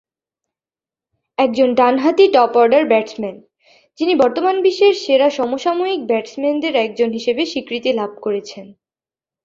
একজন ডানহাতি top order batsman, যিনি বর্তমান বিশ্বের সেরা সমসাময়িক ব্যাটসম্যানদের একজন হিসেবে স্বীকৃতি লাভ করেছেন।